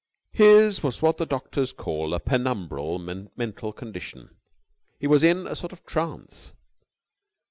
His was what the doctors call a penumbral mental condition. He was in a sort of trance.